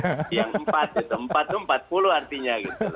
yang empat empat itu empat puluh artinya